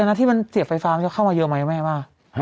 ไอ้รถที่มันเสียบไฟฟ้าเข้ามาเยอะไหมแม่ว่า